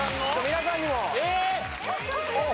皆さんにもえっ！？